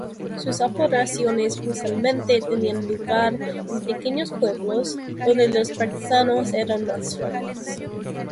Sus operaciones usualmente tenían lugar en pequeños pueblos, donde los partisanos eran más fuertes.